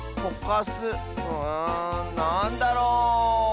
うんなんだろう？